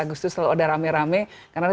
agustus selalu ada rame rame karena ada